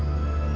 aku bisa sembuh